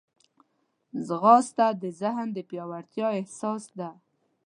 ځغاسته د ذهن د پیاوړتیا اساس ده